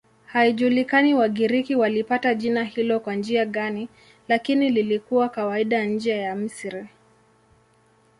Haijulikani Wagiriki walipata jina hilo kwa njia gani, lakini lilikuwa kawaida nje ya Misri.